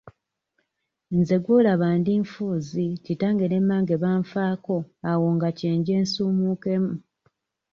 Nze gw'olaba ndi nfuuzi kitange ne mmange banfaako awo nga kye nje nsuumukemu.